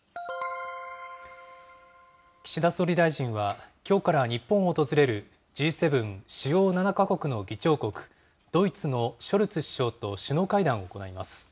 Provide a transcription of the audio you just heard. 岸田総理大臣は、きょうから日本を訪れるＧ７・主要７か国の議長国、ドイツのショルツ首相と首脳会談を行います。